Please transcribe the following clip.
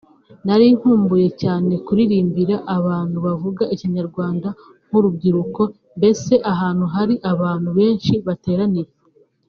Nari nkumbuye cyane kuririmbira abantu bavuga ikinyarwanda nk’urubyiruko mbese ahantu hari abantu benshi bateraniye